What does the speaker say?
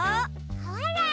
ほら！